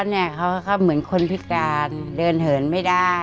เนี่ยเขาเหมือนคนพิการเดินเหินไม่ได้